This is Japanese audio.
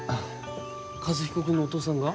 和彦君のお父さんが？